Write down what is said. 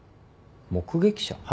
目撃者？